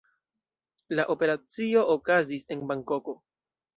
La operacio okazis en Bankoko.